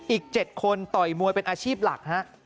อีก๗คนต่อยมวยเป็นอาชีพหลักฮะ